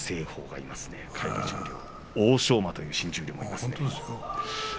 欧勝馬という新十両もいますね。